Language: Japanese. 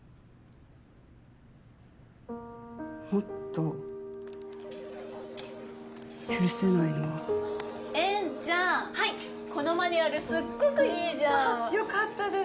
もっと許せないのは円ちゃんはいこのマニュアルすっごくいいよかったです